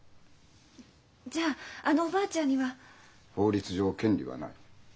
じゃああのおばあちゃんには？法律上権利はない。